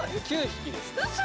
９匹です。